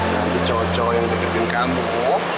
nanti cowok cowok yang deketin kamu ya